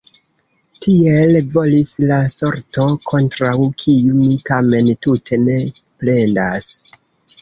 Tiel volis la sorto, kontraŭ kiu mi tamen tute ne plendas.